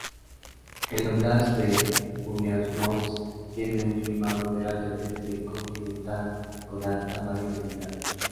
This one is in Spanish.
El óblast de Uliánovsk tiene un clima moderadamente continental con alta variabilidad.